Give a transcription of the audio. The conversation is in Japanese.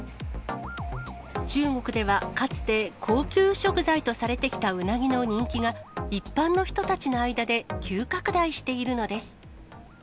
中国ではかつて、高級食材とされてきたうなぎの人気が、一般の人たちの間で急拡大しているのです。